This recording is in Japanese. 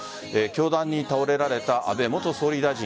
凶弾に倒れられた安倍元総理大臣。